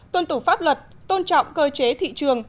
chín tôn tủ pháp luật tôn trọng cơ chế thị trường